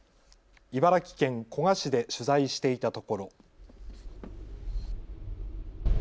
茨城県古河市で取材していたところ。